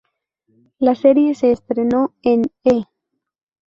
La serie se estrenó en E!